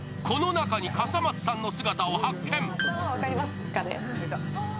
この中に笠松さんの姿を発見。